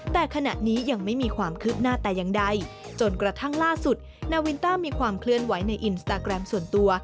แต่ขณะนี้ยังไม่มีความคืบหน้าแต่อย่างใดจนกระทั่งล่าสุดนาวินต้ามีความเคลื่อนไหวในอินสตาแกรมส่วนตัว